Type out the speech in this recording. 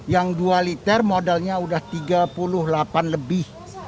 yang dua liter modalnya sudah tiga puluh delapan lebih